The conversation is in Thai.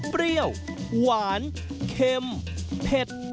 เปรี้ยวหวานเค็มเผ็ด